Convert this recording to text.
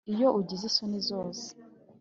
iyo ugize isoni zose.